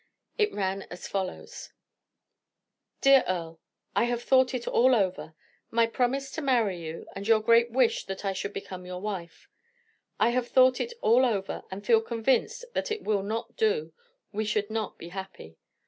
It ran as follows: "DEAR EARLE, I have thought it all over my promise to marry you, and your great wish that I should become your wife. I have thought it all over, and feel convinced that it will not do we should not be happy.